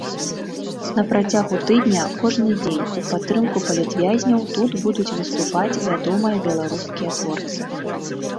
На працягу тыдня кожны дзень у падтрымку палітвязняў тут будуць выступаць вядомыя беларускія творцы.